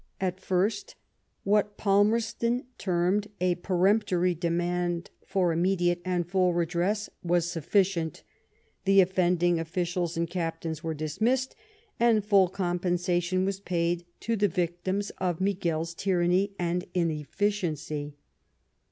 At first, what Palmerston termed *^ a peremptory demand for immediate and full redress," was sufficient. The offending officials and captains were dismissed, and full compensation was paid to the victims of Miguel's tyranny and inefficiency.